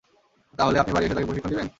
তাহলে, আপনি বাড়ি এসে তাকে প্রশিক্ষণ দিবেন?